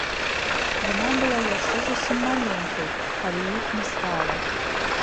Яна была яшчэ зусім маленькай, калі іх не стала.